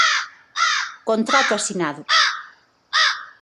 Contrato asinado.